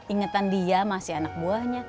ingetan dia sama si anak buahnya